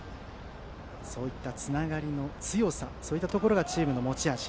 つながりの強さそういったところがチームの持ち味